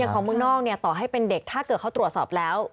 ของเมืองนอกต่อให้เป็นเด็กถ้าเกิดเขาตรวจสอบแล้ว